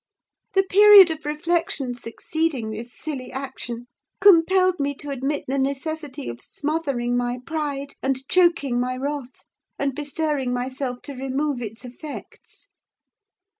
The period of reflection succeeding this silly action compelled me to admit the necessity of smothering my pride and choking my wrath, and bestirring myself to remove its effects.